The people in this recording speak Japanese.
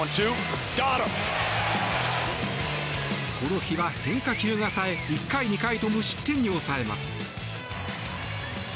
この日は変化球がさえ１回、２回と無失点に抑えます。